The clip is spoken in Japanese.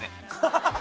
ハハハハ！